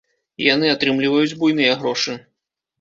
Яны атрымліваюць буйныя грошы.